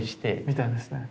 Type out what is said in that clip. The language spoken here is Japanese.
見たんですね。